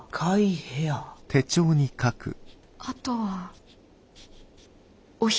あとはお百。